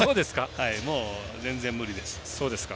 もう全然、無理です。